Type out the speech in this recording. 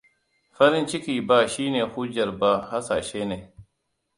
Farin ciki ba shi ne hujjar ba hasashe ne.